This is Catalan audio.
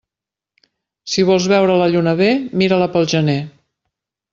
Si vols veure la lluna bé, mira-la pel gener.